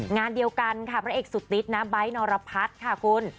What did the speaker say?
งานเดียวกันค่ะพระเอกสุดติ๊ดนะไบท์นรพัฒน์ค่ะคุณ